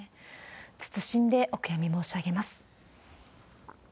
謹んでお悔やみ申し上げます。